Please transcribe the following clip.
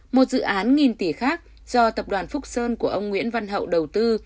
một dự án nghìn tỷ khác do tập đoàn phúc sơn của ông nguyễn văn hậu đầu tư